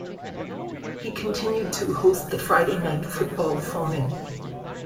He continued to host the Friday night football phone-in.